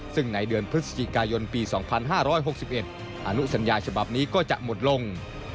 ซึ่งในเดือนพฤศจิกายนปี๒๕๖๑อนุสัญญาฉบับนี้ก็จะหมดลง